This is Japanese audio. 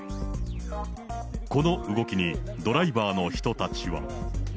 この動きにドライバーの人たちは。